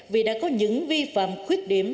vì đã có những vi phạm khuyết điểm